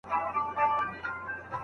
ماشوم منډه وهي